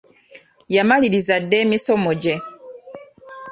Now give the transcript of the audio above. Yamaliriza dda emisomo gye.